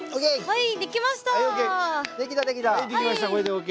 はい。